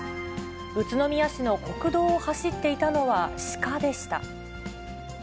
宇都宮市の国道を走っていたのは、鹿でした。